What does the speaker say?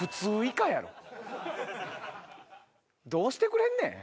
どうしてくれんねん！